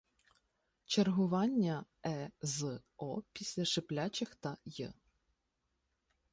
Чергування е з о після шиплячих та й